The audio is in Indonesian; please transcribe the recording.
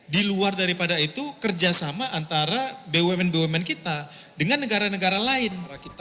di luar daripada itu kerjasama antara bumn bumn kita dengan negara negara lain